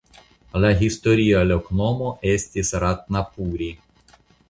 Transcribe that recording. La historia loknomo estis "Ratnapuri".